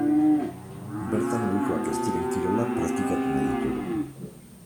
Bertan ohikoak ez diren kirolak praktikatu nahi ditugu.